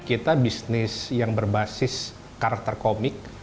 kita bisnis yang berbasis karakter komik